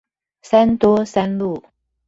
三多三路